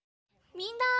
みんな！